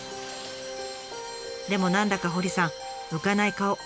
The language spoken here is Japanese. でも何だか堀さん浮かない顔。